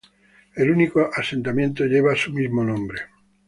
El único asentamiento lleva su mismo nombre.